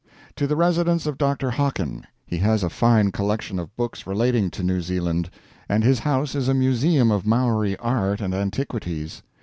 To the residence of Dr. Hockin. He has a fine collection of books relating to New Zealand; and his house is a museum of Maori art and antiquities.